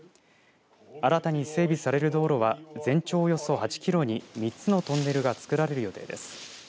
新たに整備される道路は全長およそ８キロに３つのトンネルが造られる予定です。